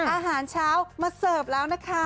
อาหารเช้ามาเสิร์ฟแล้วนะคะ